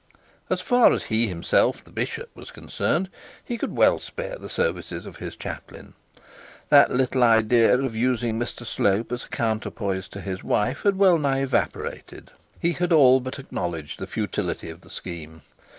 As far as he himself, the bishop, was concerned, he could well spare the services of his chaplain. The little idea of using Mr Slope as a counterpoise to his wife had well nigh evaporated. He had all but acknowledged the futility of the scheme.